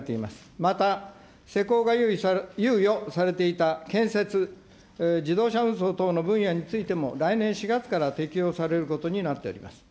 また施行が猶予されていた建設、自動車運送等の分野についても、来年４月から適用されることになっています。